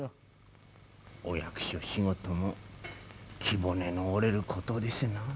お役所仕事も気骨の折れることですなあ。